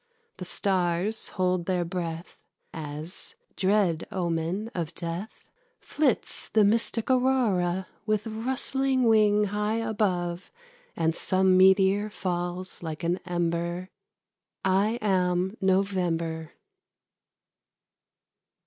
The stars hold their breath As, dread omen of death, Flits the mystic aurora with rustling wing High above, and some meteor falls like an ember. I am November.